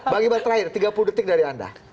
bang ibat terakhir tiga puluh detik dari anda